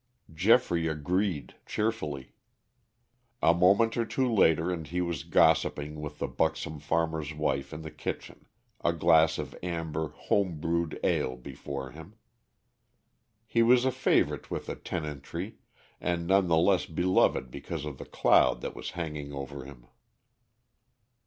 Geoffrey agreed cheerfully. A moment or two later and he was gossiping with the buxom farmer's wife in the kitchen, a glass of amber, home brewed ale before him. He was a favorite with the tenantry, and none the less beloved because of the cloud that was hanging over him.